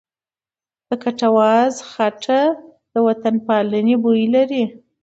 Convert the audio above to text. د کټواز خټه د وطنپالنې بوی لري.